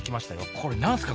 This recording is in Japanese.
これ何ですか？